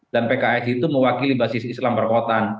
dan pks itu mewakili basis islam perkotaan